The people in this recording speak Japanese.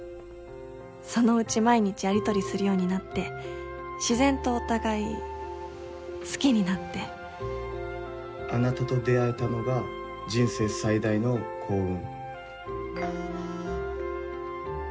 そのうち毎日やりとりするようになって自然とお互い好きになって「あなたと出会えたのが人生最大の幸運」。